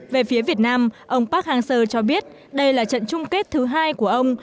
về phía việt nam ông park hang seo cho biết đây là trận chung kết thứ hai của ông